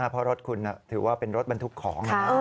เพราะรถคุณถือว่าเป็นรถบรรทุกของ